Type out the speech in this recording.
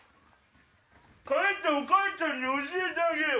帰ってお母ちゃんに教えてあげよう。